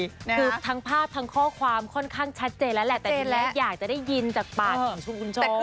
คือทั้งภาพทั้งข้อความค่อนข้างชัดเจนแล้วแหละแต่ที่แรกอยากจะได้ยินจากปากของชุมโชค